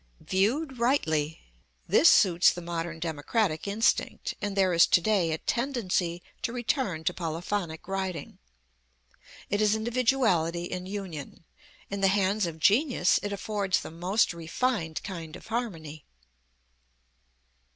Viewed rightly, this suits the modern democratic instinct, and there is to day a tendency to return to polyphonic writing. It is individuality in union. In the hands of genius it affords the most refined kind of harmony.